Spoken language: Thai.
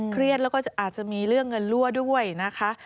เครียดแล้วก็อาจจะมีเรื่องเงินรั่วด้วยนะคะ